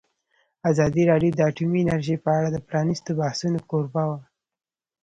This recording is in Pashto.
ازادي راډیو د اټومي انرژي په اړه د پرانیستو بحثونو کوربه وه.